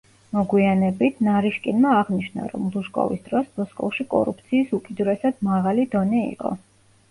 მოგვიანებით, ნარიშკინმა აღნიშნა, რომ ლუჟკოვის დროს მოსკოვში კორუფციის „უკიდურესად მაღალი“ დონე იყო.